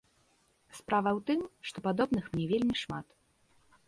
Справа ў тым, што падобных мне вельмі шмат.